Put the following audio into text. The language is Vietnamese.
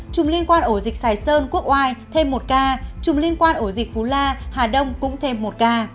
trùng liên quan ổ dịch sài sơn quốc oai thêm một ca chung liên quan ổ dịch phú la hà đông cũng thêm một ca